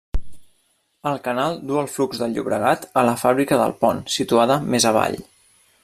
El canal duu el flux del Llobregat a la fàbrica del Pont, situada més avall.